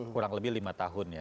kurang lebih lima tahun ya